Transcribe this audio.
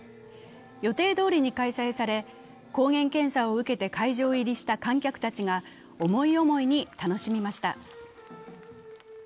予定どおりに開催され、抗原検査を受けて会場入りした観客たちが思い思いに楽しみました。